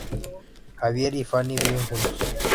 Javier y Fanny viven juntos.